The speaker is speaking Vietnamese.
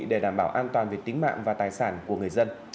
để đảm bảo an toàn về tính mạng và tài sản của người dân